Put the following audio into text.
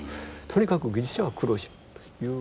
とにかく技術者は苦労するという。